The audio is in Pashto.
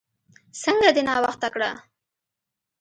څنګه دې ناوخته کړه؟